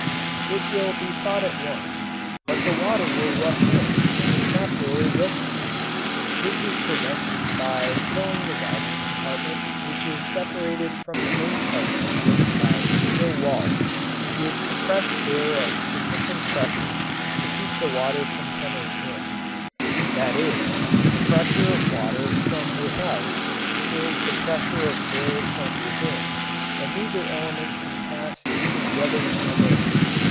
It will be thought at once, "But the water will rush in when the trap door is opened." This is prevented by filling the diving compartment, which is separated from the main part of the ship by steel walls, with compressed air of sufficient pressure to keep the water from coming in that is, the pressure of water from without equals the pressure of air from within and neither element can pass into the other's domain.